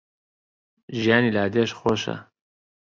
ژیانی لادێش خۆشە